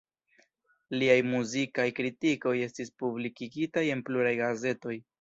Liaj muzikaj kritikoj estis publikigitaj en pluraj gazetoj.